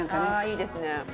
いいですね。